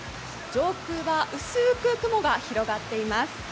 上空は薄く雲が広がっています。